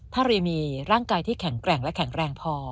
ถ้ารีมีร่างกายที่แข็งแกร่งและแข็งแรงพอ